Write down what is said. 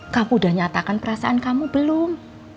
kamu sudah nyatakan perasaan kamu belum